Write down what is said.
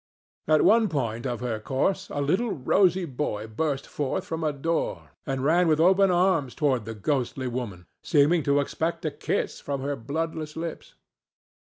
At one point of her course a little rosy boy burst forth from a door and ran with open arms toward the ghostly woman, seeming to expect a kiss from her bloodless lips.